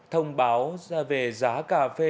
thông báo ra về giá cà phê